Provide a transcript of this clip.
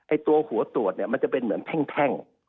ตัวหัวตรวจเนี่ยมันจะเป็นเหมือนแท่ง